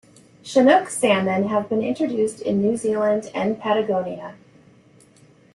Chinook salmon have been introduced in New Zealand and Patagonia.